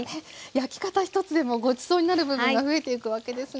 焼き方一つでもごちそうになる部分が増えていくわけですね。